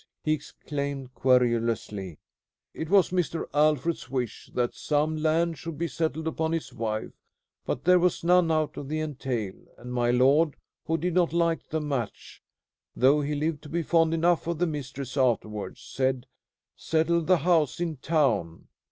he exclaimed querulously. "It was Mr. Alfred's wish that some land should be settled upon his wife, but there was none out of the entail, and my lord, who did not like the match, though he lived to be fond enough of the mistress afterwards, said, 'Settle the house in town!'